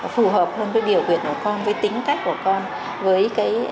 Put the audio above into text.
phù hợp hơn với điều quyền của con với tính cách của con với